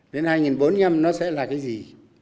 đến hai nghìn bốn mươi năm nó sẽ là cái gì